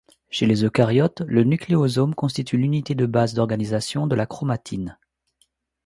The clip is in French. Chez les eucaryotes, le nucléosome constitue l’unité de base d'organisation de la chromatine.